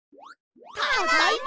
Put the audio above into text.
ただいま！